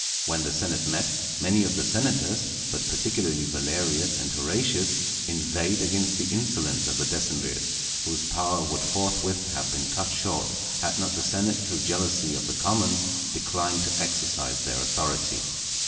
When the senate met, many of the senators, but particularly Valerius and Horatius, inveighed against the insolence of the decemvirs, whose power would forthwith have been cut short, had not the senate through jealousy of the commons declined to exercise their authority.